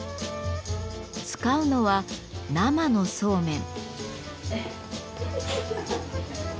使うのは生のそうめん。